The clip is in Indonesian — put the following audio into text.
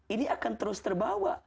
ini akan terus terbawa